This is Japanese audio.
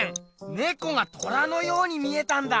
ねこが虎のように見えたんだ！